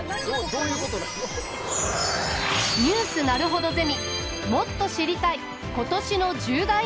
「ニュースなるほどゼミ」